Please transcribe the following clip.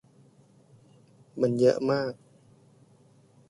มันเยอะมาก